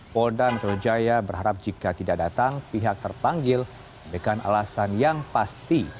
polda metro jaya berharap jika tidak datang pihak terpanggil dengan alasan yang pasti